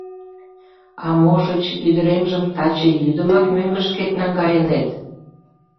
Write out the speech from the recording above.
А, можыч, ӱдыремжым таче йӱдымак мӧҥгышкет наҥгайынет?